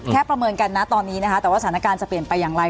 ประเมินกันนะตอนนี้นะคะแต่ว่าสถานการณ์จะเปลี่ยนไปอย่างไร